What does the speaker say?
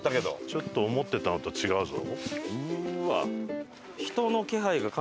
ちょっと思ってたのと違うぞ。